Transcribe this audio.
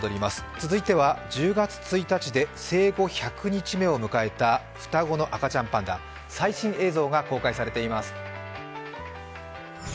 続いては、１０月１日で生後１００日目を迎えた双子の赤ちゃんパンダ最新映像が公開されています。